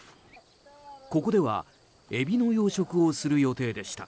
ここではエビの養殖をする予定でした。